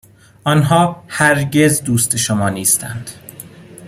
آنها هرگز دوست شما نیستند.